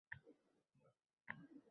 U sizning eng katta dushmaningiz!